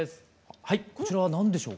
はいこちらは何でしょう。